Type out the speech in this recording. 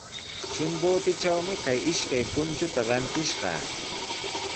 Chimbotetrawmi kay ishkay punchuta rantishqaa.